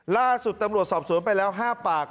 ล่าสุดตำรวจสอบสวนไปแล้ว๕ปาก